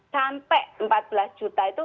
sampai empat belas juta itu